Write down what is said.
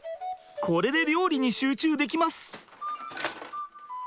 これで料理に集中できます。